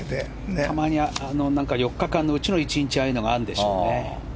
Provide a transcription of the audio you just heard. たまに、４日間のうちの１日にああいうのがあるんでしょうね。